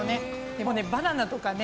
でもねバナナとかね